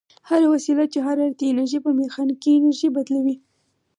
هره وسیله چې حرارتي انرژي په میخانیکي بدلوي.